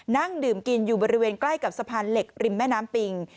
นั่งดื่มกินอยู่บริเวณใกล้กับสะพานเหล็กริมแม่น้ำปิง